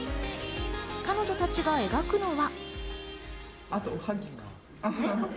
彼女たちが描くのは。